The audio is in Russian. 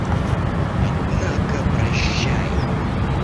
Однако прощай!